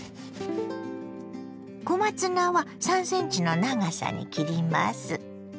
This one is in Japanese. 小松菜は３ｃｍの長さに切ります。